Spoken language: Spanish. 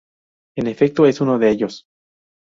En efecto, es uno de ellos.